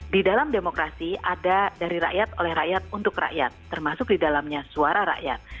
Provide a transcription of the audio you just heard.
di dalam demokrasi ada dari rakyat oleh rakyat untuk rakyat termasuk di dalamnya suara rakyat